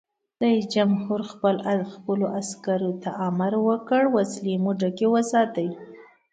رئیس جمهور خپلو عسکرو ته امر وکړ؛ وسلې مو ډکې وساتئ!